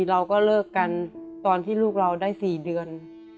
เราก็เลิกกันตอนที่ลูกเราได้๔เดือน